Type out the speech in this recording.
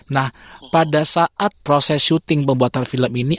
nah pada saat proses syuting pembuatan film ini